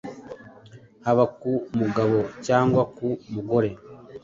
haba ku mugabo cyangwa ku mugore.